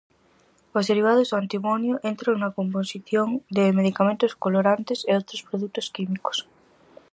Os derivados do antimonio entran na composición de medicamentos, colorantes e outros produtos químicos.